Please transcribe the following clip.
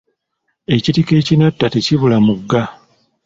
Ekitiko ekinatta, tekibula muga.